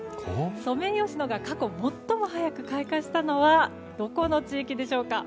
ソメイヨシノが過去最も早く開花したのはどこの地域でしょうか。